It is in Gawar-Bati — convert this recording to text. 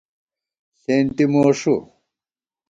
ݪېنتی موݭُو